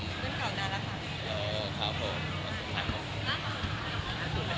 เป็นเรื่องเก่าได้แล้วค่ะ